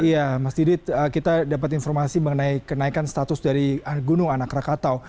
iya mas didit kita dapat informasi mengenai kenaikan status dari gunung anak rakatau